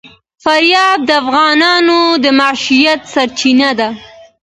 فاریاب د افغانانو د معیشت سرچینه ده.